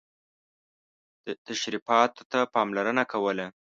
تشریفاتو ته پاملرنه کوله.